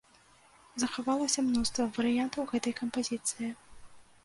Захавалася мноства варыянтаў гэтай кампазіцыі.